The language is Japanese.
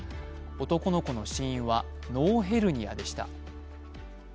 男の子の死因は脳ヘルニアでした。